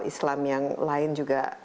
islam yang lain juga